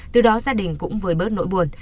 từ đó gia đình cũng vừa bớt nỗi buồn